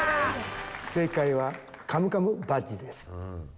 正解はカムカムバッジです。